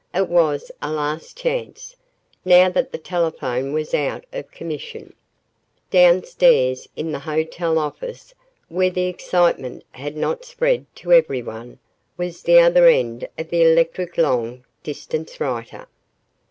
It was a last chance, now that the telephone was out of commission. Downstairs, in the hotel office, where the excitement had not spread to everyone, was the other end of the electric long distance writer.